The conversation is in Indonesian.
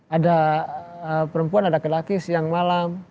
ada perempuan ada laki laki siang malam